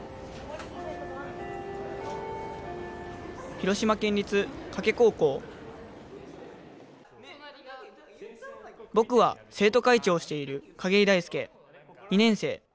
広島県立加計高校僕は生徒会長をしている隠居大介２年生。